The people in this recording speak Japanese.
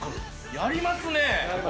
やりますね。